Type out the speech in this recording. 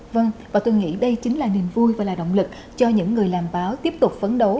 vâng và tôi nghĩ đây chính là niềm vui và là động lực cho những người làm báo tiếp tục phấn đấu